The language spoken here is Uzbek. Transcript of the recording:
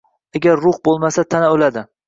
Agar ruh bo‘lmasa, tana o‘ladi.